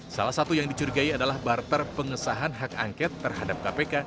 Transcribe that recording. salah satu yang dicurigai adalah barter pengesahan hak angket terhadap kpk